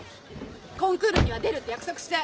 コンクールには出るって約束して。